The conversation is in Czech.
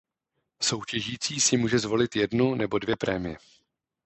Soutěžící si může zvolit jednu nebo dvě prémie.